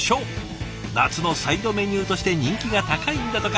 夏のサイドメニューとして人気が高いんだとか。